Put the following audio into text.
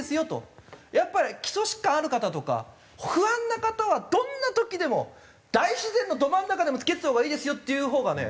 やっぱり基礎疾患ある方とか不安な方はどんな時でも大自然のど真ん中でも着けてたほうがいいですよっていうほうがね。